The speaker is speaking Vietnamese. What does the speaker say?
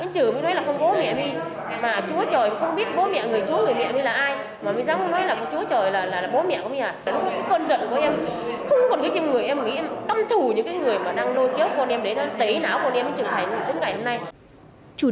chị duyên một người mẹ có con